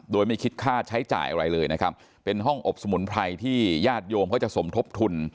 โดยไม่คิดค่าใช้จ่ายอะไรเลยนะครับเป็นห้องอบสมุนไพรที่ญาติโยมเขาจะสมทบทุน